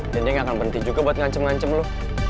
dan dia gak akan berhenti juga buat ngancem ngancem lu